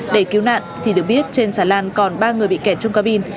để cứu nạn thì được biết trên xà lan còn ba người bị kẹt trong ca bin